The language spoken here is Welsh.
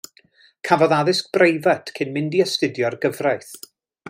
Cafodd addysg breifat cyn mynd i astudio'r gyfraith.